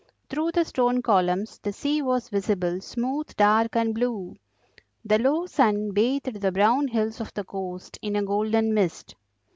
Through the stone columns the sea was visible, smooth, dark, and blue; the low sun bathed the brown hills of the coast in a golden mist.